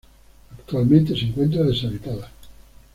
Actualmente se encuentra deshabitada.